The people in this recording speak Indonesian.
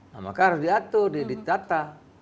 nah maka harus diatur ditata